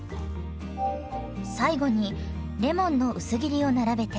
最後にレモンの薄切りを並べて。